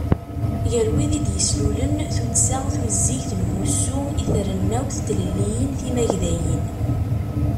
Gar wid i d-yeslulen Tuddsa Tuzzigt n Umussu i Trennawt n Tlelliyin Timagdayin.